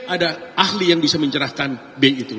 ada ahli yang bisa mencerahkan b itu